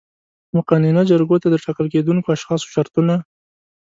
مقننه جرګو ته د ټاکل کېدونکو اشخاصو شرطونه